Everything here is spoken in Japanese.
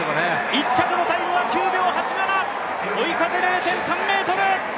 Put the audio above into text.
１着のタイムは９秒８７、追い風０．３メートル。